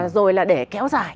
rồi là để kéo dài